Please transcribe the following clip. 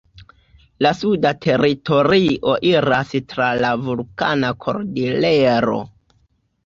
La suda teritorio iras tra la Vulkana Kordilero.